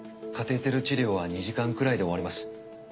カテーテル治療は２時間くらいで終わります。